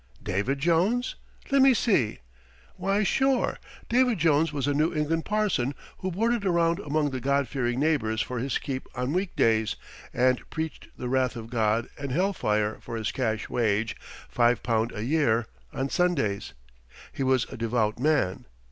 "David Jones? Let me see. Why, sure, David Jones was a New England parson who boarded around among the God fearing neighbors for his keep on week days and preached the wrath of God and hell fire for his cash wage five pound a year on Sundays. He was a devout man.